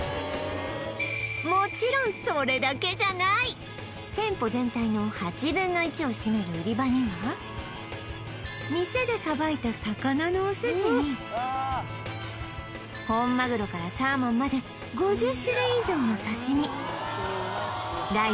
もちろんそれだけじゃない店舗全体の８分の１を占める売り場には店で捌いた魚のお寿司に本マグロからサーモンまでと大充実